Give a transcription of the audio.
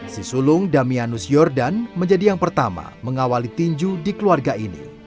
si sulung damianus jordan menjadi yang pertama mengawali tinju di keluarga ini